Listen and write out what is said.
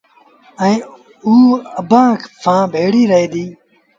ائيٚݩٚ اوٚ اڀآنٚ سآݩٚ ڀيڙيٚ رهي ديٚ